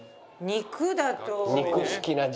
肉だと。